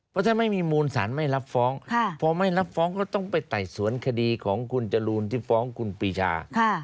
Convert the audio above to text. เพราะถ้าไม่มีมูลสารไม่รับฟ้องพอไม่รับฟ้องก็ต้องไปไต่สวนคดีของคุณจรูนที่ฟ้องคุณปีชา